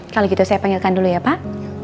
kalau gitu saya panggilkan dulu ya pak